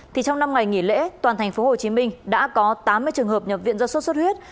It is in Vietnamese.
thì trong năm ngày nghỉ lễ toàn tp hcm đã có tám mươi trường hợp nhập viện do sốt xuất huyết